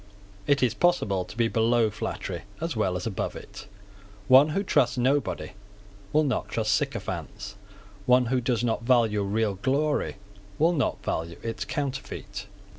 It is possible to be below flattery as well as above it. One who trusts nobody will not trust sycophants. One who does not value real glory will not value its counterfeit.